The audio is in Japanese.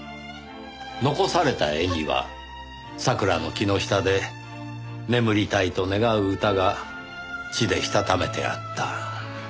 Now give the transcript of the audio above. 残された絵には桜の木の下で眠りたいと願う歌が血でしたためてあった。